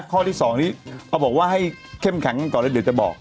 พอบอกว่าให้เข้มขังกันก่อนแล้วเดี๋ยวจะบอก